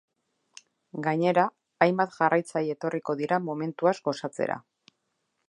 Gainera, hainbat jarraitzaile etorriko dira momentuaz gozatzera.